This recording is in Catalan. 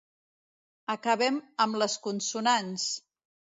Acabem amb les consonants!